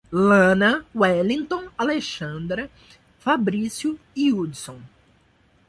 Lana, Welinton, Alexandra, Fabrício e Hudson